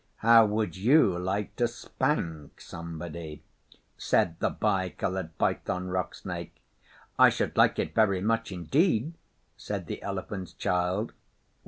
'How would you like to spank somebody?' said the Bi Coloured Python Rock Snake. 'I should like it very much indeed,' said the Elephant's Child.